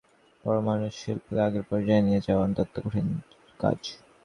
দেখা যাচ্ছে, সংকটে পড়া পরমাণুশিল্পকে আগের পর্যায়ে নিয়ে যাওয়া অত্যন্ত কঠিন কাজ।